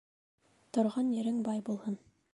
Торған ерең бай булһын.